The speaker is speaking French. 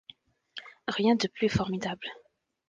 Rien de plus formidable.